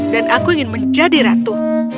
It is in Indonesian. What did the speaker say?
dan aku ingin menjadi ratu